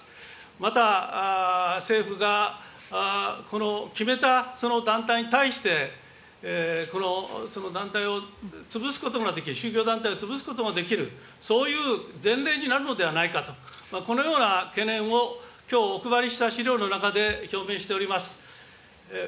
また政府が、この決めたその団体に対して、この、その団体を潰すことができる、宗教団体を潰すことができる、そういう前例になるのではないかと、このような懸念を、きょうお配りした資料の中で表明しております。